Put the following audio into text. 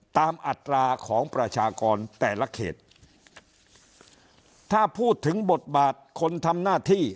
อัตราของประชากรแต่ละเขตถ้าพูดถึงบทบาทคนทำหน้าที่